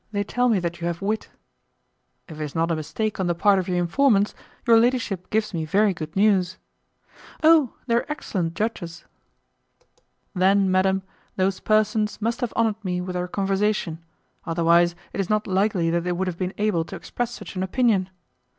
They tell me that you have wit." "If it is not a mistake on the part of your informants, your ladyship gives me very good news." "Oh! they are excellent judges." "Then, madam, those persons must have honoured me with their conversation; otherwise, it is not likely that they would have been able to express such an opinion."